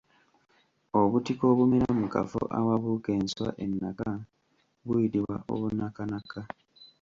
Obutiko obumera mu kafo awabuuka enswa ennaka buyitibwa obunakanaka.